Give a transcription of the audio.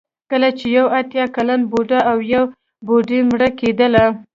کله چې یو اتیا کلن بوډا او یا بوډۍ مړه کېدله.